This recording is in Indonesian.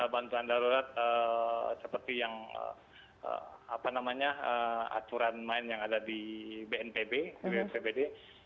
bantuan darurat seperti yang apa namanya aturan main yang ada di bnpbd